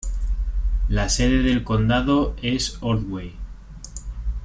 La sede del condado es Ordway.